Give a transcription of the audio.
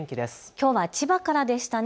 きょうは千葉からでしたね。